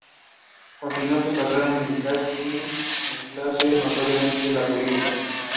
Regn.